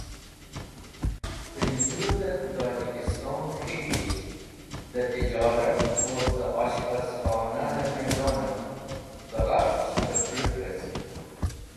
Kunjudhet Tojikistone K̃hikisht de Tijorat woz de Oshpaz Khonahe maidonev bẽ ghafch terpurut vezg.